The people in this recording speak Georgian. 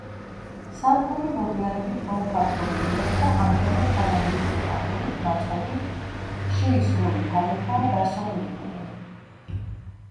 სარკმელი მოგვიანებით გაუფართოვებიათ და ამჟამად თანამედროვე აგურით ნაწყობი შეისრული თაღითაა დასრულებული.